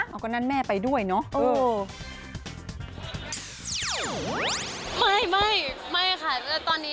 เอาก็นั่นแม่ไปด้วยเนาะ